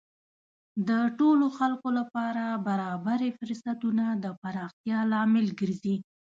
د ټولو خلکو لپاره برابرې فرصتونه د پراختیا لامل ګرځي.